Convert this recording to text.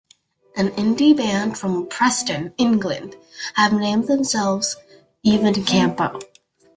An Indie band from Preston, England have named themselves "Ivan Campo".